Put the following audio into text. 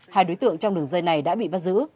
hai đối tượng trong đường dây này đã bị bắt giữ